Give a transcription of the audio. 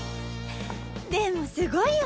でもすごいよね！